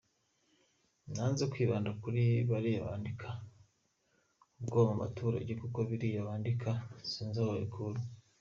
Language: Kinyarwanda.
Nanze kwibanda kuri bariya bandika ‘Ubwoba mu baturage’ kuko biriya bandika sinzi aho babikurua.